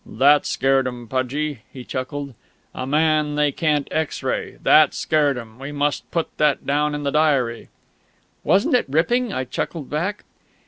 "That scared 'em, Pudgie!" he chuckled. "A man they can't X ray that scared 'em! We must put that down in the diary " "Wasn't it ripping!" I chuckled back.